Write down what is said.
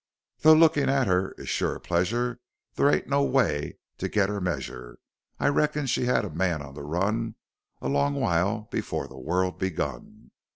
Though lookin at her is shure a pleasur there aint no way to get her measure i reckon she had man on the run a long while before the world begun.